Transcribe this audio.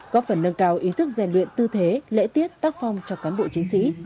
góp phần nâng cao ý thức rèn luyện tư thế lễ tiết tác phong cho cán bộ chiến sĩ